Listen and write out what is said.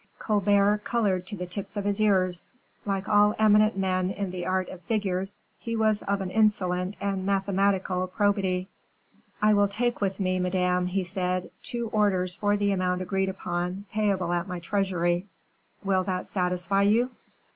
Colbert colored to the tips of his ears. Like all eminent men in the art of figures, he was of an insolent and mathematical probity. "I will take with me, madame," he said, "two orders for the amount agreed upon, payable at my treasury. Will that satisfy you?"